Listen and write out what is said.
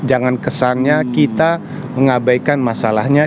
jangan kesannya kita mengabaikan masalahnya